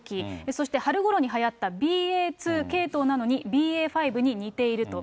そして春ごろにはやったＢＡ．２系統なのにＢＡ．５に似ていると。